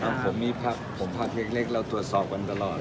นะผมพักเล็กเราตรวจสอบมันตลอด